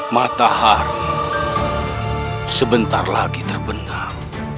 matahari sebentar lagi terbenam